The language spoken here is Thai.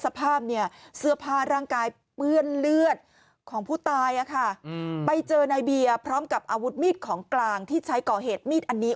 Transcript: สภาพเนี่ยเสื้อผ้าร่างกายเปื้อนเลือดของผู้ตายไปเจอนายเบียร์พร้อมกับอาวุธมีดของกลางที่ใช้ก่อเหตุมีดอันนี้